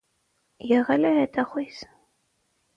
Եղել է հետախույզ։